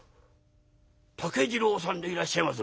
「竹次郎さんでいらっしゃいます？」。